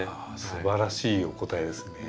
すばらしいお答えですね。